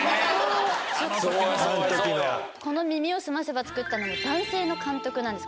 この『耳をすませば』作ったのは男性の監督なんです